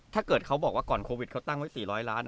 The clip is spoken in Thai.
ถ้าเกิดเขาบอกว่าก่อนโควิดเขาตั้งไว้๔๐๐ล้าน